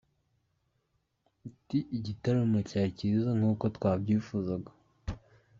Ati: “igitaramo cyari kiza nk’uko twabyifuzaga.